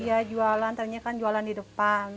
iya jualan ternyata kan jualan di depan